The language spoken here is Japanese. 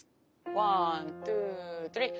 ワントゥースリー。